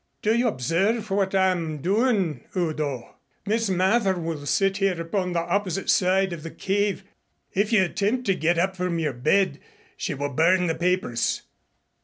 "Do you observe what I am doing, Udo? Miss Mather will sit here upon the opposite side of the cave. If you attempt to get up from your bed, she will burn the papers.